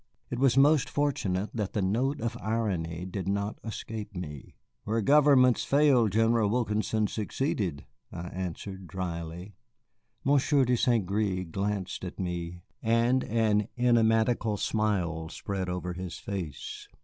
It was most fortunate that the note of irony did not escape me. "Where governments failed, General Wilkinson succeeded," I answered dryly. Monsieur de St. Gré glanced at me, and an enigmatical smile spread over his face.